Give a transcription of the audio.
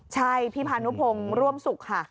ใช่พี่พานุพงศ์ร่วมสุขค่ะ